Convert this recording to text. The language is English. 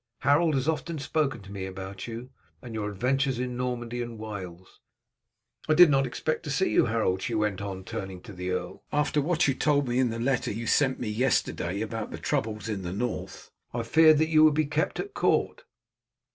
Harold has often spoken to me about you, and your adventures in Normandy and Wales. I did not expect to see you, Harold," she went on turning to the earl, "after what you told me in the letter you sent me yesterday, about the troubles in the north. I feared that you would be kept at court."